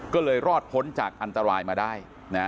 ก็เลยรอดพ้นจากอันตรายมาได้